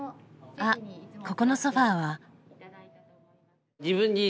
あっここのソファーは。